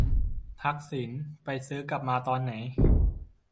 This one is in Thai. ทักษิณไปซื้อกลับมาตอนไหน ?